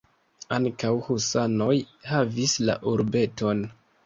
Ankaŭ husanoj havis la urbeton.